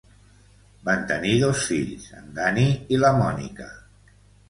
Van tenir dos fills, en Danny i la Monica.